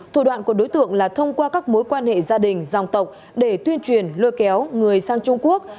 thủ đoạn của đối tượng là thông qua các mối quan hệ gia đình dòng tộc để tuyên truyền lôi kéo người sang trung quốc